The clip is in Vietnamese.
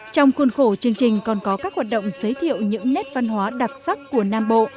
trong khuôn khổ chương trình còn có các hoạt động giới thiệu những nét văn hóa đặc sắc của nam bộ